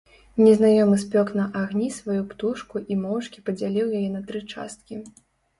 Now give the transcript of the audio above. Незнаёмы спёк на агні сваю птушку і моўчкі падзяліў яе на тры часткі.